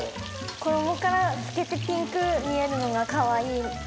衣から透けてピンク見えるのがかわいい。